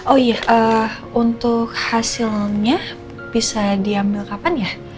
oh iya untuk hasilnya bisa diambil kapan ya